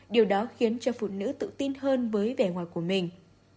điều đó khiến cho phụ nữ tự tin hơn với vẻ ngoài của mình